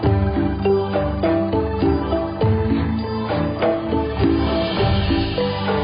ที่สุดท้ายที่สุดท้ายที่สุดท้าย